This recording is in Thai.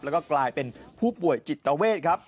แล้วก็กลายเป็นผู้ป่วยจิตเวทครับ